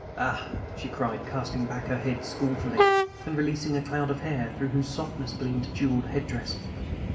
"Ah!" she cried, casting back her head scornfully, and releasing a cloud of hair, through whose softness gleamed a jeweled head dress.